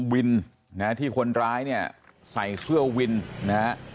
บุธรรม